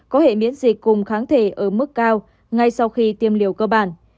có hệ miễn dịch cùng kháng thể ở mức cao ngay sau khi tiêm liều cơ bản